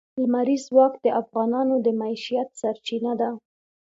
لمریز ځواک د افغانانو د معیشت سرچینه ده.